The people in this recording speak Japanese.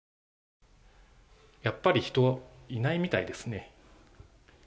やっぱり人はいないみたいですね。